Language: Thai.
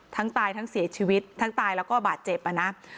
ตายทั้งเสียชีวิตทั้งตายแล้วก็บาดเจ็บอ่ะนะ